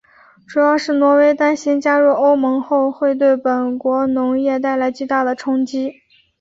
主要是挪威担心加入欧盟后会对本国农业带来巨大的冲击。